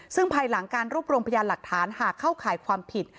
ซึ่งภายหลังการรวบรวมพยานหลักฐานหากเข้าข่ายความผิด